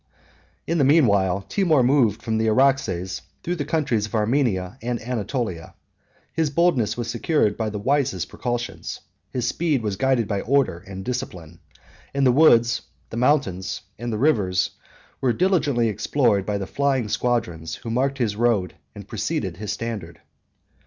In the mean while, Timour moved from the Araxes through the countries of Armenia and Anatolia: his boldness was secured by the wisest precautions; his speed was guided by order and discipline; and the woods, the mountains, and the rivers, were diligently explored by the flying squadrons, who marked his road and preceded his standard.